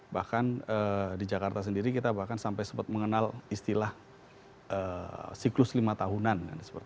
bahkan di jakarta sendiri kita bahkan sampai sempat mengenal istilah siklus lima tahunan